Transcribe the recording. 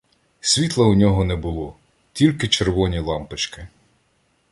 Світла у нього не було, тільки червоні лампочки.